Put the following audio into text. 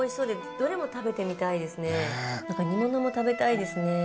なんか煮物も食べたいですね。